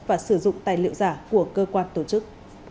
và sử dụng tài liệu giả của cơ quan tổ chức